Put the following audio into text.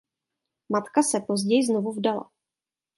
Matka se později znovu vdala.